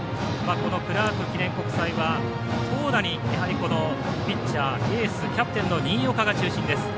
クラーク記念国際は投打にピッチャー、エースキャプテンの新岡が中心です。